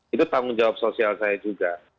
itu tanggung jawab sosial saya juga